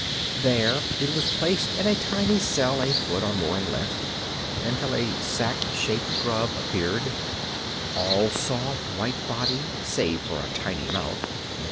There it was placed in a tiny cell a foot or more in length until a sac shaped grub appeared, all soft, white body save for a tiny mouth.